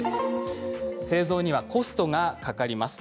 製造にはコストがかかります。